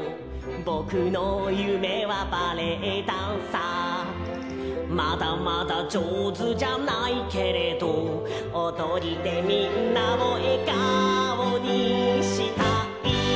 「ぼくのゆめはバレエダンサー」「まだまだじょうずじゃないけれど」「おどりでみんなをえがおにしたい」